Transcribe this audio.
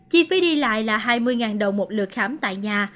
chi phí đi lại là hai mươi đồng một lượt khám tại nhà